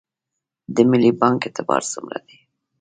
د ملي بانک اعتبار څومره دی؟